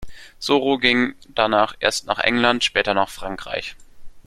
Soro ging danach erst nach England, später nach Frankreich.